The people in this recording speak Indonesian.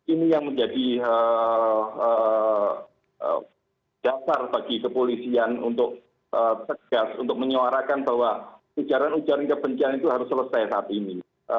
ini yang menjadi dasar bagi kepolisian untuk tegas untuk menyuarakan bahwa ujaran ujaran kebencian itu harus selesai saat ini